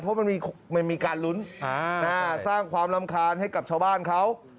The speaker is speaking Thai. เพราะมันมีการลุ้นสร้างความรำคาญให้กับชาวบ้านเขา